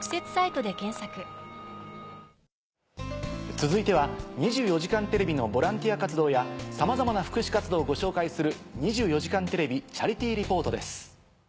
続いては『２４時間テレビ』のボランティア活動やさまざまな福祉活動をご紹介する。